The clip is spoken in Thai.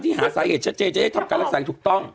ที่หาสาเหตุชัยจะให้ทำการรักษาอย่างถูกต้อง